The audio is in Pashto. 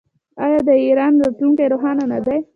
آیا د ایران راتلونکی روښانه نه دی؟